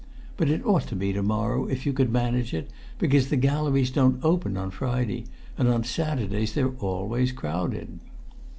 But it ought to be to morrow, if you could manage it, because the galleries don't open on Friday, and on Saturdays they're always crowded."